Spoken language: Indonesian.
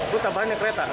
bu tiap hari naik kereta